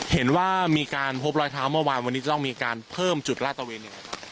เห็นว่ามีการพบรอยเท้าเมื่อวานวันนี้จะต้องมีการเพิ่มจุดลาดตะเวนยังไง